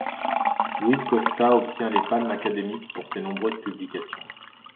Louis Costa obtient les palmes académiques pour ses nombreuses publications.